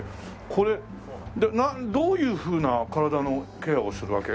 これどういうふうな体のケアをするわけ？